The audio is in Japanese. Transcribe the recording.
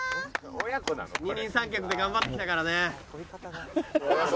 二人三脚で頑張ってきたからね。